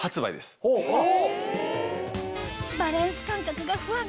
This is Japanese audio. バランス感覚が不安